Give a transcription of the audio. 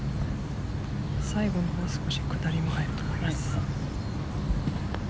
最後は少し下りも入ると思います。